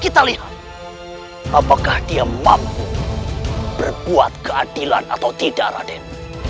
kita lihat apakah dia mampu berbuat keadilan atau tidak raden